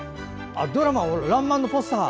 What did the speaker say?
ドラマ「らんまん」のポスター。